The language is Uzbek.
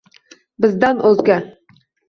Bizdan o’zga